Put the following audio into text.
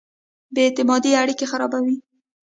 بې اعتمادۍ اړیکې خرابوي.